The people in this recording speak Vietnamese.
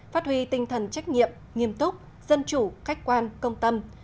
phát huy tinh thần trách nhiệm nghiêm túc dân chủ khách quan công tâm